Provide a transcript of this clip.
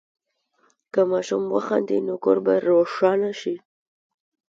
که ماشوم وخاندي، نو کور به روښانه شي.